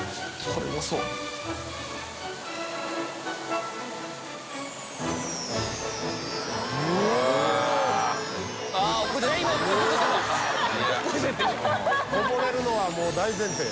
こぼれるのはもう大前提。